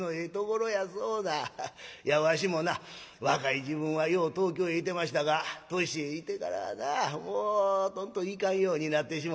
いやわしもな若い時分はよう東京へ行ってましたが年いってからはなもうとんと行かんようになってしもた」。